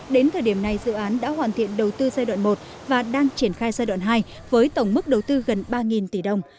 đến thời điểm này dự án đã hoàn thiện đầu tư giai đoạn một và đang triển khai giai đoạn hai với tổng mức đầu tư gần ba tỷ đồng